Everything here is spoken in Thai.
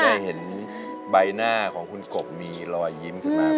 เห็นใบหน้าของคุณกบมีรอยยิ้มขึ้นมา